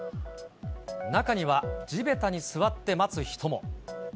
中には地べたに座って待つ人も。